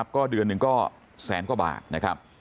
ก็เดือนนึงแสนกว่าบาท